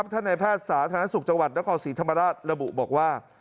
ท่านในแพทย์สาธารณสุขจังหวัดนครศรีธรรมราชระบุบอกว่า